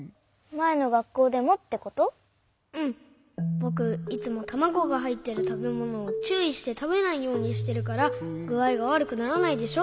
ぼくいつもたまごがはいってるたべものをちゅういしてたべないようにしてるからぐあいがわるくならないでしょ？